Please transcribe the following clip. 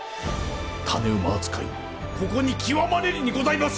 種馬扱いもここに極まれりにございます！